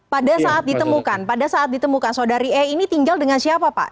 pada saat ditemukan pada saat ditemukan saudari e ini tinggal dengan siapa pak